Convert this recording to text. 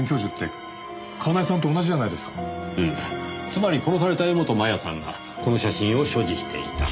つまり殺された柄本麻耶さんがこの写真を所持していた。